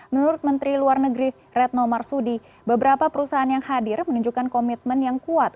menurut menteri luar negeri retno marsudi beberapa perusahaan yang hadir menunjukkan komitmen yang kuat